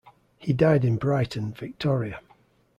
He died in Brighton, Victoria.